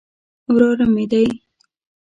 وراره مې دی.